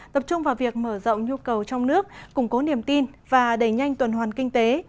tập trung vào việc mở rộng nhu cầu trong nước củng cố niềm tin và đẩy nhanh tuần hoàn kinh tế